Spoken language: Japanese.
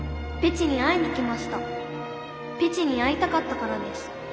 ペチに会いたかったからです。